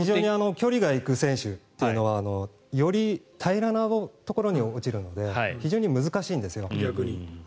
距離がある選手というのはより平らなところに落ちるので非常に難しいんですよ。